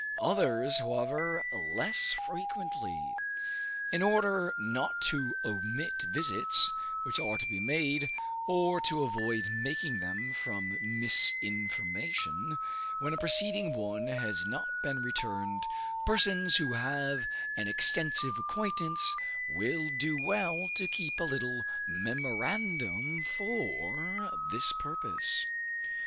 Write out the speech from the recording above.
others, however, less frequently. In order not to omit visits, which are to be made, or to avoid making them from misinformation, when a preceding one has not been returned, persons who have an extensive acquaintance, will do well to keep a little memorandum for this purpose.